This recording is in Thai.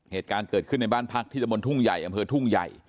เหตุการณ์เกิดขึ้นในบ้านพักที่ตะบนทุ่งใหญ่อำเภอทุ่งใหญ่